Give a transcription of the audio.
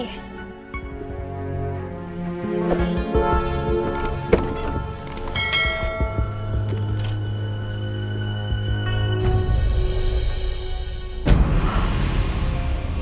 iya itu ricky